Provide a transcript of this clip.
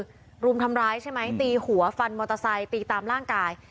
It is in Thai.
คือรุมทำร้ายใช่ไหมตีหัวฟันมอเตอร์ไซค์ตีตามร่างกาย